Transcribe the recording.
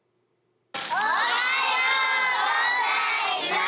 おはようございます。